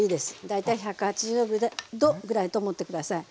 大体１８０℃ぐらいと思って下さい。